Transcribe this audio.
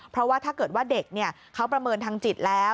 เพราะว่าถ้าเกิดว่าเด็กเขาประเมินทางจิตแล้ว